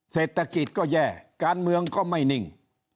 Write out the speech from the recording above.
เศรษฐกิจก็แย่การเมืองก็ไม่นิ่ง